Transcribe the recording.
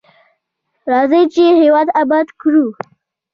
راځئ چې هیواد اباد کړو.